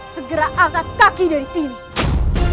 segera angkat kaki dari sini